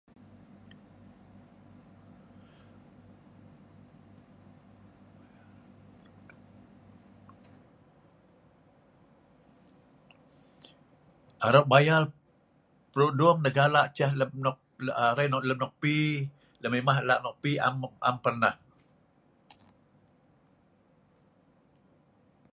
Aro' bayal plu dung negala ceh lem aa arai lem nok pi, lem imah lak nok pi, am pernah.